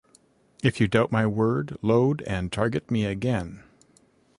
If you doubt my word, load and target me again.